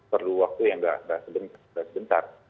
perlu waktu yang tidak sebentar